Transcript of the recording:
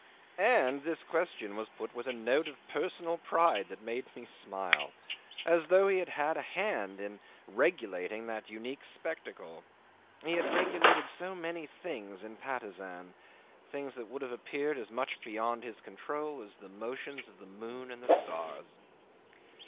'And this question was put with a note of personal pride that made me smile, as though he had had a hand in regulating that unique spectacle. He had regulated so many things in Patusan things that would have appeared as much beyond his control as the motions of the moon and the stars.